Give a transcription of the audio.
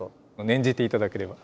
念じて頂ければ。